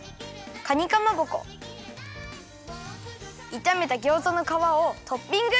かにかまぼこいためたギョーザのかわをトッピング！